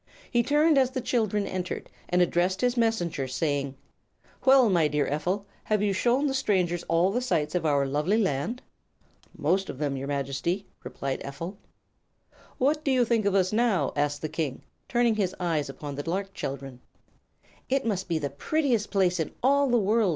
He turned as the children entered and addressed his Messenger, saying: "Well, my dear Ephel, have you shown the strangers all the sights of our lovely land?" "Most of them, your Majesty," replied Ephel. "What do you think of us now?" asked the King, turning his eyes upon the lark children. "It must be the prettiest place in all the world!"